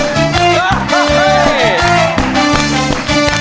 เต้นสักพักนึงก่อน